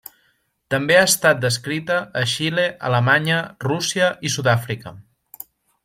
També ha estat descrita a Xile, Alemanya, Rússia i Sud-àfrica.